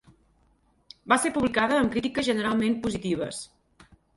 Va ser publicada amb crítiques generalment positives.